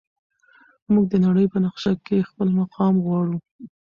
موږ د نړۍ په نقشه کې خپل مقام غواړو.